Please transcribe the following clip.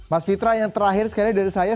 mas fitra yang terakhir sekali dari saya